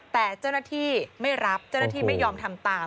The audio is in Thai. แต่เจ้าหน้าที่ไม่รับเจ้าหน้าที่ไม่ยอมทำตาม